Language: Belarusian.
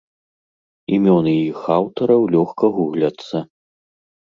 Імёны іх аўтараў лёгка гугляцца.